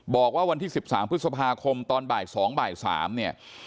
บอกว่าวันที่๑๓พฤษภาคมตอนบ่าย๒บ่าย๓เนี่ย